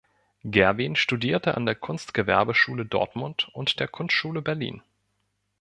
Gerwin studierte an der Kunstgewerbeschule Dortmund und der Kunstschule Berlin.